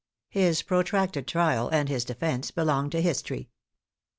His protracted trial and his defence belong to history.